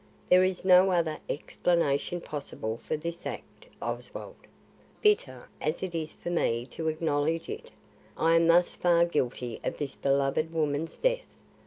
"There is no other explanation possible for this act, Oswald. Bitter as it is for me to acknowledge it, I am thus far guilty of this beloved woman's death.